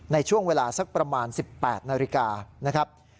ในช่วงเวลาสักประมาณ๑๘นาฬิกา